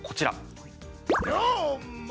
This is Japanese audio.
どーも！